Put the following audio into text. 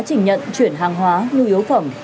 chỉnh nhận chuyển hàng hóa nhu yếu phẩm